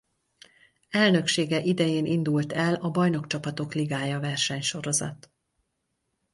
Elnöksége idején indult el a Bajnokcsapatok Ligája versenysorozat.